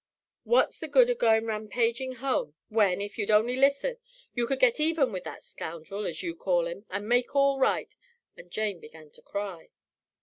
What's the good of goin' rampaigin' home when, if you'd only listen, you could get even with that scoundrel, as yer call 'im, and make all right," and Jane began to cry.